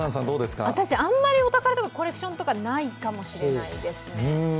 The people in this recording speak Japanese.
私あんまりお宝ととかコレクションとかないかもしれないですね。